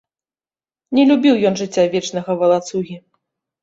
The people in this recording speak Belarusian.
Не любіў ён жыцця вечнага валацугі.